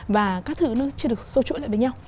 và các thứ nó chưa được sâu chuỗi lại với nhau